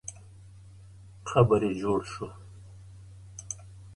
قبر یې جوړ سو.